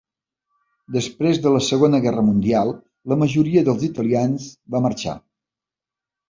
Després de la Segona Guerra Mundial, la majoria dels italians va marxar.